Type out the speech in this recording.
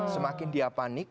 semakin dia panik